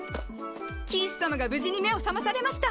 キース様が無事に目を覚まされました！